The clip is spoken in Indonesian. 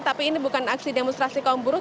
tapi ini bukan aksi demonstrasi kaum buruh